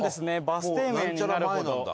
バス停名になるほど。